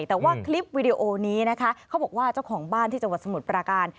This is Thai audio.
แต่ว่าคลิปวิดีโอนี้นะคะเขาบอกว่าเจ้าของบ้านที่จังหวัดสมุทรปราการ